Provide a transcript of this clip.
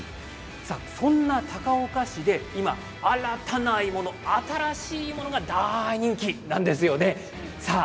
そんな高岡市で今、新たな鋳物新しい鋳物が大人気なんですよね。